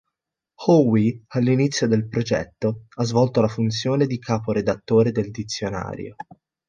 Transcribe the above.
Howe all'inizio del progetto ha svolto la funzione di capo redattore del dizionario.